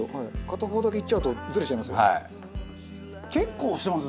片方だけいっちゃうとずれちゃいますよね。